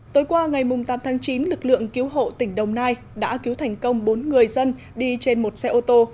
tối qua ngày tám tháng chín lực lượng cứu hộ tỉnh đồng nai đã cứu thành công bốn người dân đi trên một xe ô tô